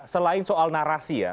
selain soal narasi ya